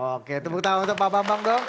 oke tepuk tangan untuk pak bambang dong